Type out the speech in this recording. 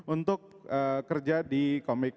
untuk kerja di komik